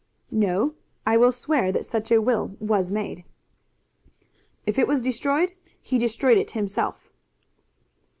"No; I will swear that such a will was made." "If it was destroyed, he destroyed it himself."